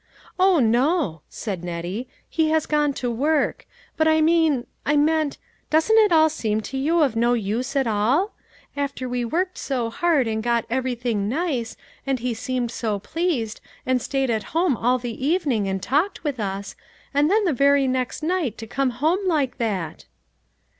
" O, no," said Nettie, " he has gone to work ; but I mean I meant doesn't it all seem to you of no use at all ? After we worked so hard and got everything nice, and he seemed so pleased, and stayed at home all the evening and talked with us, and then the very next night to come home like that!"